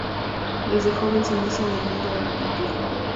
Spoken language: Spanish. Desde joven se inicia en el mundo de la pintura.